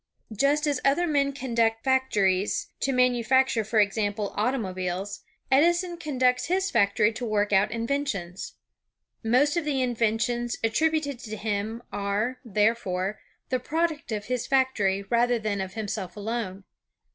Just as other men conduct factories to 248 OTHER FAMOUS INVENTORS OF TO DAY manufacture, for example, automobiles, E^son conducts his factory to work out inventions. Most of the inven tions attributed to him are, therefore, the product of his factory, rather than of himself alone.